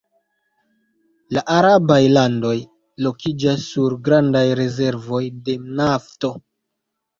La arabaj landoj lokiĝas sur grandaj rezervoj de nafto.